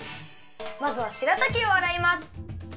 まずはしらたきをあらいます。